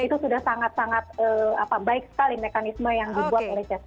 itu sudah sangat sangat baik sekali mekanisme yang dibuat oleh cs